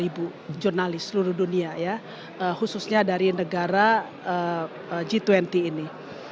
jadi kita sudah dapat informasi dari seluruh dunia ya khususnya dari negara g dua puluh ini